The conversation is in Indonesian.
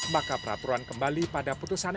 maka peraturan kembali pada putusan